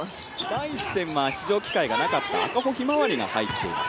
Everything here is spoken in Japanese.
第１戦は出場機会がなかった赤穂ひまわりが入っています。